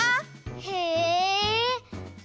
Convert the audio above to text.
へえ！